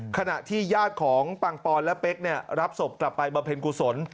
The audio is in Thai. ขณะที่ญาติของปังปอนและเป๊กรับศพกลับไปบำเพ็ญกุศล